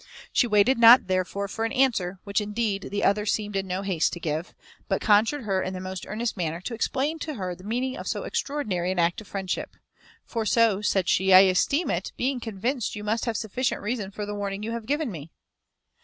She waited not, therefore, for an answer, which, indeed, the other seemed in no haste to give, but conjured her in the most earnest manner to explain to her the meaning of so extraordinary an act of friendship; "for so," said she, "I esteem it, being convinced you must have sufficient reason for the warning you have given me."